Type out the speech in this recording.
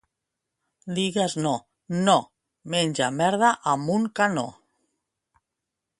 —Digues no. —No. —Menja merda amb un canó!